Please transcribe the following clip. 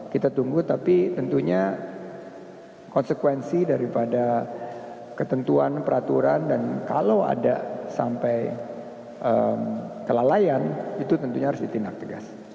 kita tunggu tapi tentunya konsekuensi daripada ketentuan peraturan dan kalau ada sampai kelalaian itu tentunya harus ditindak tegas